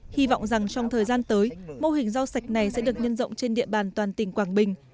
hy vọng rằng trong thời gian tới mô hình rau sạch này sẽ được nhân rộng trên địa bàn toàn tỉnh quảng bình